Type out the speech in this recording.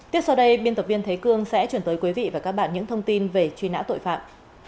tiếp sau đây biên tập viên thế cương sẽ chuyển tới quý vị và các bạn những thông tin về truy nã tội phạm